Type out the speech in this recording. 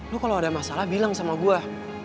lu kalau ada masalah bilang sama gue